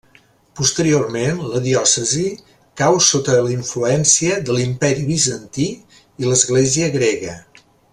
Posteriorment la diòcesi cau sota la influència de l'Imperi Bizantí i l'Església grega.